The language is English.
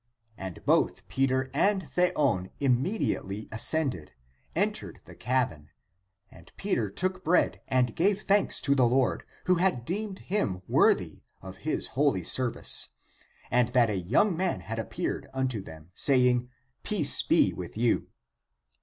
And both 66 THE APOCRYPHAL ACTS Peter and Theon immediately ascended, entered the cabin and Peter took bread and gave thanks to the Lord, who had deemed him worthy of his holy serv ice and that a young man had appeared unto them, saying, "Peace (be) with you."